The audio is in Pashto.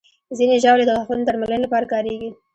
ځینې ژاولې د غاښونو درملنې لپاره کارېږي.